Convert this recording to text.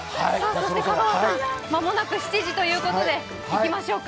そして間もなく７時ということで行きましょうか。